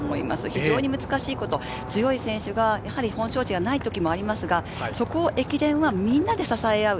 非常に難しいこと、強い選手が本調子ではない時もありますが、そこを駅伝はみんなで支え合う。